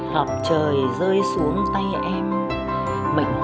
học trời rơi xuống tay em